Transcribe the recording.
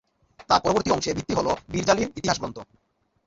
তার পরবর্তী অংশের ভিত্তি হল বিরযালীর ইতিহাস গ্রন্থ।